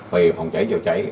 về phòng cháy chữa cháy